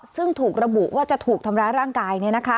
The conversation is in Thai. ซึ่งถูกระบุว่าจะถูกทำร้ายร่างกาย